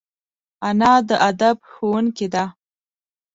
انا د ادب ښوونکې ده